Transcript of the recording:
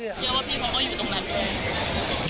เชื่อว่าพี่น้องก็อยู่ตรงนั้นเลย